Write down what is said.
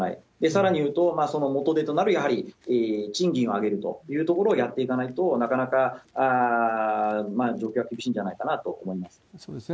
さらにいうと、その元手となる、やはり賃金を上げるというところをやっていかないと、なかなか状況は厳しいんじゃないかなと思います。